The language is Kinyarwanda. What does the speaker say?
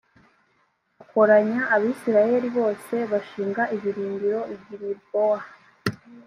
akoranya abisirayeli bose bashinga ibirindiro i gilibowa